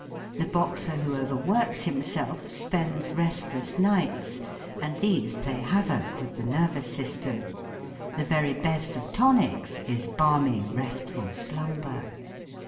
The boxer who overworks himself spends restless nights, and these play havoc with the nervous system. The very best of tonics is balmy, restful slumber.